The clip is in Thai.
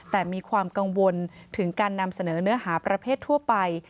แต่มีความกังวลถึงการนำเสนอเนื้อหาประเภททั่วไป